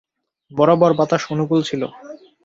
বরাবর বাতাস অনুকূল ছিল।